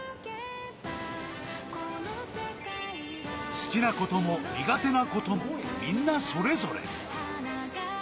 好きなことも苦手なことも、みんなそれぞれ。